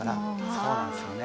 そうなんですよね。